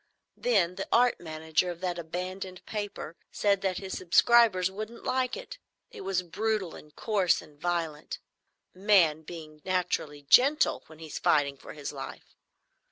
Then the art manager of that abandoned paper said that his subscribers wouldn't like it. It was brutal and coarse and violent,—man being naturally gentle when he's fighting for his life.